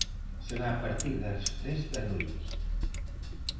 Será a partir das dez da noite.